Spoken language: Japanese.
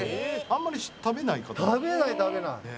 あんまり食べない方？